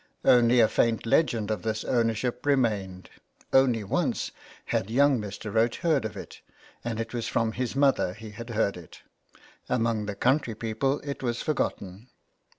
Only a faint legend of this ownership remained ; only once had young Mr. Roche heard of it, and it was from his mother he had heard it ; among the country people it was forgotten.